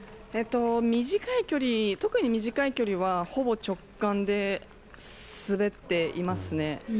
短い距離、特に短い距離はほぼ直感で滑っていますね。